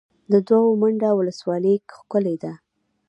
د دوه منده ولسوالۍ ښکلې ده